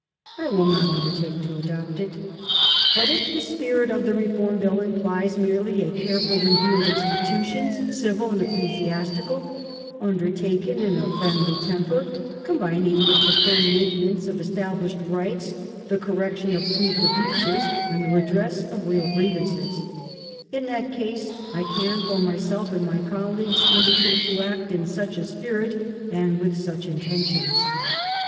I will not under take to adopt it. But if the spirit of the Reform Bill implies merely a careful review of institutions, civil and ecclesiastical, undertaken in a friendly temper, combining with the firm main tenance of established rights the correction of proved abuses and the redress of real grievances — in that case I can for myself and my colleagues undertake to act in such a spirit and with such inten tions."